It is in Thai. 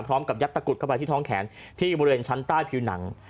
พร้อมกับยัดตะกุดเข้าไปที่ท้องแขนที่บริเวณชั้นใต้ผิวหนัง